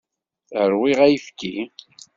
Rwiɣ ayefki.